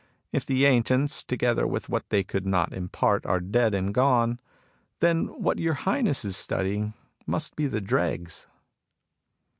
If the ancients, together with what they could not impart, are dead and gone, then what your Highness is studying must be the dregs."